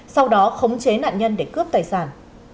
sau đó khống chế nạn nhân để cướp tài sản